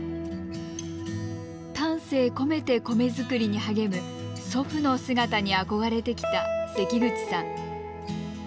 丹精込めて米作りに励む祖父の姿に憧れてきた関口さん。